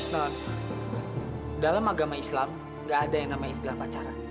nah dalam agama islam nggak ada yang namanya istilah pacaran